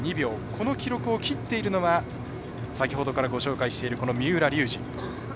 この記録を切っているのは先ほどから紹介している三浦龍司。